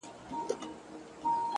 ته خيالوره’ لکه مرغۍ د هوا’